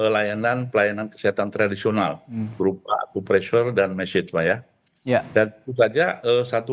layanan pelayanan kesehatan tradisional berupa coopressure dan message pak ya dan itu saja satu